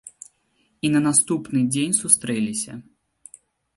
І на наступны дзень сустрэліся.